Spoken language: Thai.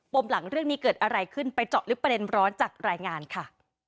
มหลังเรื่องนี้เกิดอะไรขึ้นไปเจาะลึกประเด็นร้อนจากรายงานค่ะ